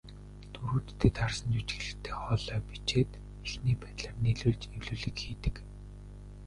Дүрүүддээ таарсан жүжиглэлттэй хоолой бичээд, эхний байдлаар нийлүүлж эвлүүлэг хийдэг.